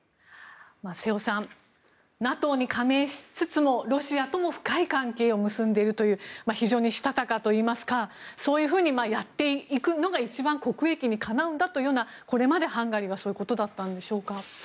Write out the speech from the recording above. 瀬尾さん、ＮＡＴＯに加盟しつつもロシアとも結んでいるという非常にしたたかといいますかそういうふうにやっていくのが一番国益にかなうんだというのがこれまでハンガリーはそういうことだったんでしょうか。